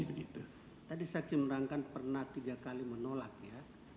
tadi saya cemerlangkan pernah tiga kali menolak ya